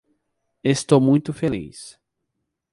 Estou muito feliz